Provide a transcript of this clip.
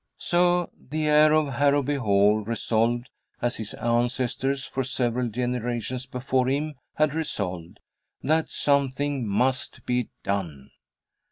So the heir of Harrowby Hall resolved, as his ancestors for several generations before him had resolved, that something must be done.